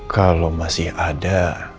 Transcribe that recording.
kalau masih ada